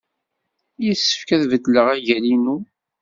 Yessefk ad beddleɣ agal-inu?